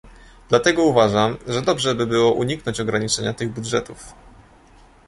Dlatego uważam, że dobrze by było uniknąć ograniczenia tych budżetów